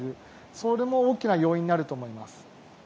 それも大きな要因になると思います。